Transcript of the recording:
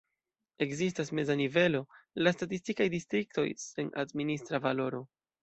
Ekzistas meza nivelo, la statistikaj distriktoj, sen administra valoro.